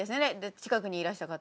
近くにいらした方は。